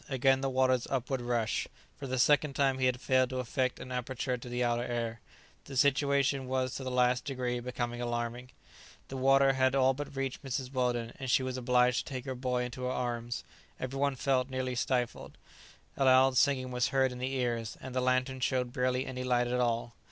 again the water's upward rush! For the second time he had failed to effect an aperture to the outer air! [Illustration: All fired simultaneously at the nearest boat.] The situation was to the last degree alarming. The water had all but reached Mrs. Weldon, and she was obliged to take her boy into her arms. Every one felt nearly stifled. A loud singing was heard in the ears, and the lantern showed barely any light at all.